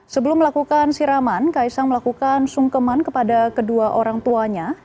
sebelum melakukan siraman kaisang melakukan sungkeman kepada kedua orang tuanya